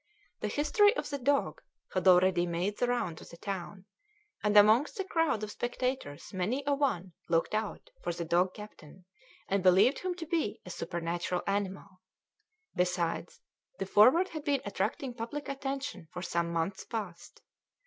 The history of the dog had already made the round of the town, and amongst the crowd of spectators many a one looked out for the dog captain and believed him to be a supernatural animal. Besides, the Forward had been attracting public attention for some months past.